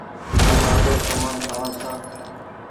هم آپير ڪمآن کآوآن ڇآن